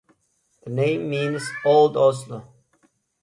The name means "Old Oslo".